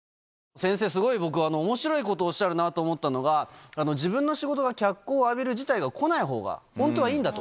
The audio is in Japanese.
先生、すごい僕はおもしろいことをおっしゃるなと思ったのは、自分の仕事が脚光を浴びる事態が来ないほうが本当はいいんだと。